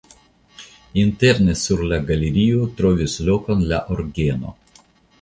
Interne sur la galerio trovis lokon la orgeno.